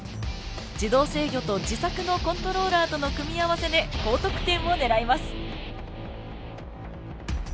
自動制御と自作のコントローラーとの組み合わせで高得点を狙います。